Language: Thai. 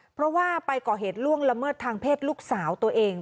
เพราะว่าไปก่อเหตุล่วงละเมิดทางเพศลูกสาวตัวเอง